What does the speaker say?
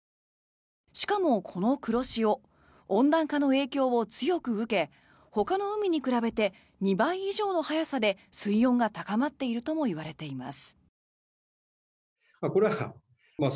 しかもこの黒潮温暖化の影響を強く受けほかの海に比べて２倍以上の早さで水温が高まっているともいわれています。